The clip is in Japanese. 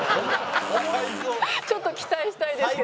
ちょっと期待したいですけどね。